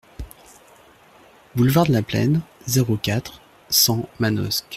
Boulevard de la Plaine, zéro quatre, cent Manosque